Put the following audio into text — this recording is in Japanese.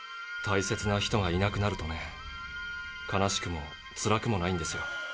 大切な人がいなくなるとね悲しくもつらくもないんですよ。